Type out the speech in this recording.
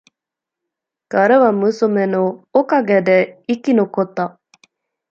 彼は娘のおかげで生き残った。